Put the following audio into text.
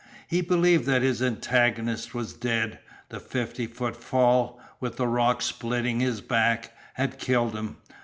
He believed that his antagonist was dead. The fifty foot fall, with the rock splitting his back, had killed him.